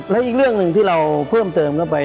และอีกเรื่องหนึ่งที่เราเพิ่มเติมเข้าไป